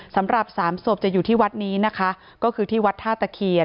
สำหรับสามศพจะอยู่ที่วัดนี้นะคะก็คือที่วัดท่าตะเคียน